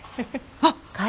あっ！